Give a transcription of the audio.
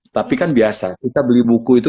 tapi kan biasa kita beli buku itu